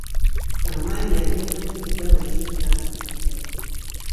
Amanyi ameemanye gamala ebita embuga .